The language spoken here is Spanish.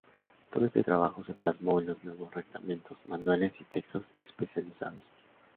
Todo este trabajo se plasmó en los nuevos reglamentos, manuales y textos especializados.